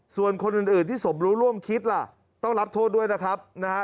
ส่วนคนอื่นที่สมรู้ร่วมคิดล่ะต้องรับโทษด้วยนะครับนะฮะ